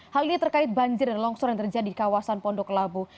hal ini terkait banjir dan longsor yang terjadi di kawasan pondok labu